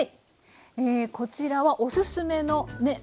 えこちらはおすすめのね